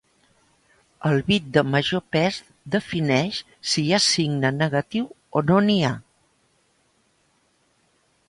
El bit de major pes defineix si hi ha signe negatiu o no n'hi ha.